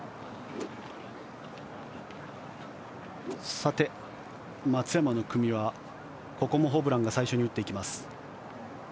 さて、松山の組はここもホブランが最初に打っていきます。